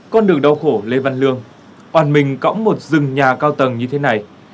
con đường đau khổ lê văn lương oàn mình cõng một rừng nhà cao tầng như thế này